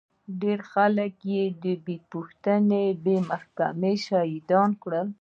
ډېر خلک يې بې پوښتنې بې محکمې شهيدان کړل.